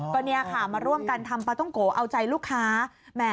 ก็เนี่ยค่ะมาร่วมกันทำปลาต้องโกะเอาใจลูกค้า